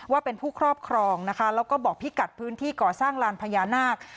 ว่าเป็นผู้ครอบครองนะคะแล้วก็บอกพิกัดพื้นที่ก่อสร้างลานพญานาค